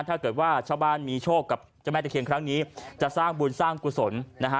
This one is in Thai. ถ้าเกิดว่าชาวบ้านมีโชคกับเจ้าแม่ตะเคียนครั้งนี้จะสร้างบุญสร้างกุศลนะฮะ